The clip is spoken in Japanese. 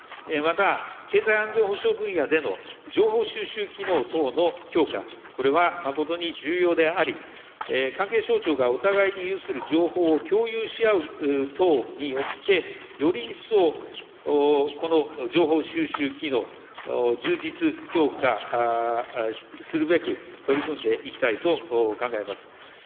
また経済安全保障分野での情報収集機能等の強化、これは誠に重要であり、関係省庁がお互いに有する情報を共有し合う等によって、より一層、この情報収集機能、充実強化するべく取り組んでいきたいと考えます。